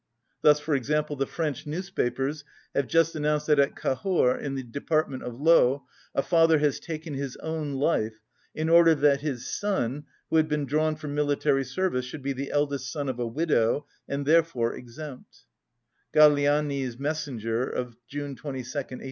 Thus, for example, the French newspapers have just announced that at Cahors, in the department of Lot, a father has taken his own life in order that his son, who had been drawn for military service, should be the eldest son of a widow, and therefore exempt (Galignani's Messenger of 22d June 1843).